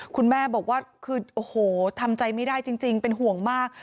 คุณแม่บอกว่าทำใจไม่ได้จริงเป็นห่วงมาก